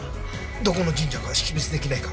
どこの神社か識別出来ないか？